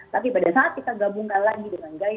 tapi pada saat kita gabungkan lagi dengan gaya hidup